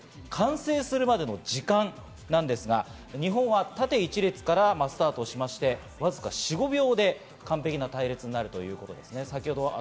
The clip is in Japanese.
完成するまでの時間なんですが、日本は縦１列からスタートしまして、わずか４５秒で完璧な隊列になるということなんですね。